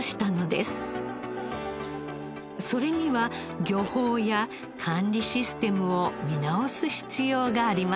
それには漁法や管理システムを見直す必要がありました。